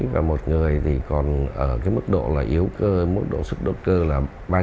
và một người thì còn ở cái mức độ là yếu cơ mức độ sức độc cơ là ba năm